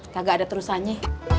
kagak ada terusannya